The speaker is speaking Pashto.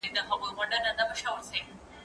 زه پرون مڼې وخوړلې!.